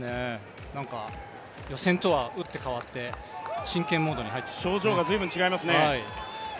予選とは打って変わって、真剣モードに入ってきてますね。